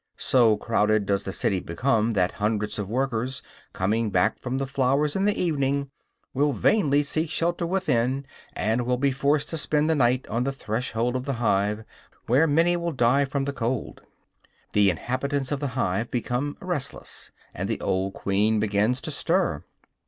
So crowded does the city become that hundreds of workers, coming back from the flowers in the evening, will vainly seek shelter within, and will be forced to spend the night on the threshold of the hive, where many will die from the cold. The inhabitants of the hive become restless, and the old queen begins to stir.